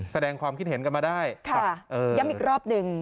แสดงความคิดเห็นกันมาได้ย้ำอีกรอบหนึ่ง